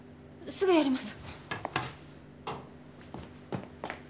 すぐやります。